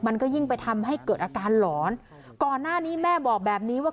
มันก็ยิ่งไปทำให้เกิดอาการหลอนก่อนหน้านี้แม่บอกแบบนี้ว่า